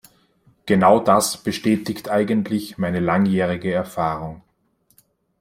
Genau das bestätigt eigentlich meine langjährige Erfahrung.